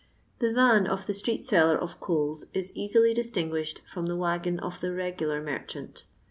The van of the street seller of coals is easily distinguished from the waggon of the regular meretuint.